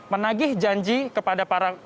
menagih janji kepada pak jokowi